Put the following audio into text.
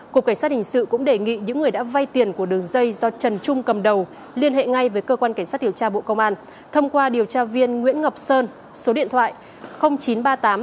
cục cảnh sát hình sự cũng đề nghị những người đã vai tiền của đường dây do trần trung cầm đầu liên hệ ngay với cơ quan cảnh sát hiểu tra bộ công an thông qua điều tra viên nguyễn ngọc sơn số điện thoại chín trăm ba mươi tám hai trăm sáu mươi tám bảy